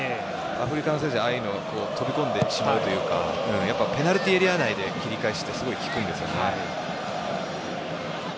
アフリカの選手は、ああいうの飛び込んでしまうというかペナルティーエリア内で切り返すとすごく効くんですよね。